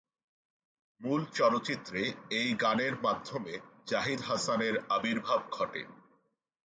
মূল চলচ্চিত্রে এই গানের মাধ্যমে জাহিদ হাসানের আবির্ভাব ঘটে।